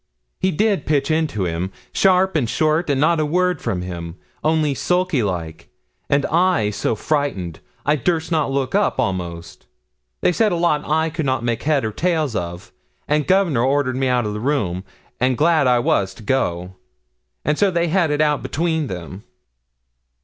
'He did pitch into him, sharp and short, and not a word from him, only sulky like; and I so frightened, I durst not look up almost; and they said a lot I could not make head or tail of; and Governor ordered me out o' the room, and glad I was to go; and so they had it out between them.'